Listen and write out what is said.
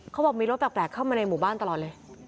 เขาบอกมีรถแปลกเข้ามาในหมู่บ้านตลอดเลย